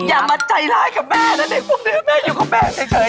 อย่ามันใจร้ายกับแม่แม่อยู่กับแม่เฉย